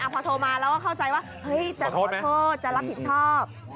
พอโทรมาแล้วเข้าใจว่าจะโทษจะรับผิดโชค